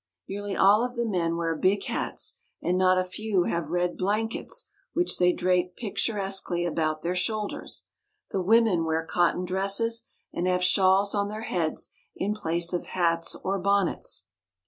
Nearly all of the men wear big hats, and not a few have red blankets which they drape picturesquely about their shoulders. The women wear cotton dresses, and have shawls on their heads in place of hats or bonnets.